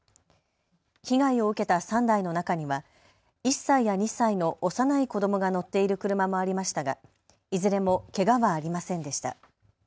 被害を受けた３台の中には１歳や２歳の幼い子どもが乗っている車もありましたがいずれもけがはありませんでした。